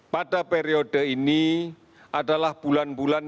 pada periode ini adalah bulan bulan